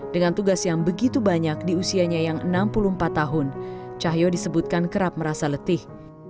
dengan tugas yang begitu banyak di usianya yang enam puluh empat tahun cahyo disebutkan kerap merasa letih